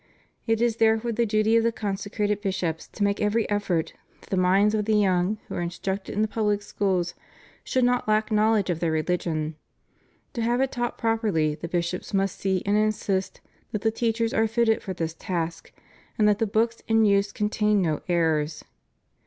It is therefore the duty of the consecrated bishops to make every effort that the minds of the young who are instructed in the pubHc schools should not lack knowledge of their rehgion. To have it taught properly, the bishops must see and insist that the teachers are fitted for this task and that the books in use contain no errors.